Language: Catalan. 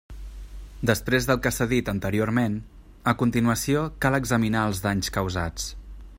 Després del que s'ha dit anteriorment, a continuació cal examinar els danys causats.